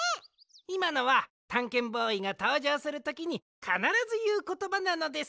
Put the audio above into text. いまのはたんけんボーイがとうじょうするときにかならずいうことばなのです！